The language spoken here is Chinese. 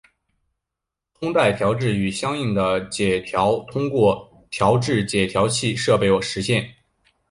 通带调制与相应的解调通过调制解调器设备实现。